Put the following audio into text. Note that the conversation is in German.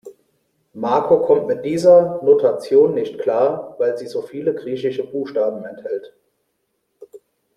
Marco kommt mit dieser Notation nicht klar, weil sie so viele griechische Buchstaben enthält.